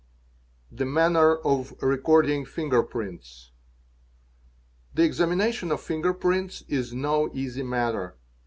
The manner of recording Finger prints. — 'The examination of finger prints is no easy matter.